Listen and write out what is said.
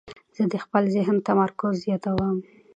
زه د خپل ذهن تمرکز زیاتوم.